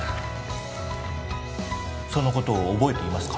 そのことを覚えていますか？